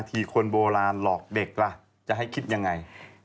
ทีคนโบราณหลอกเด็กล่ะจะให้คิดยังไง